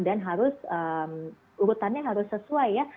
dan harus urutannya harus sesuai ya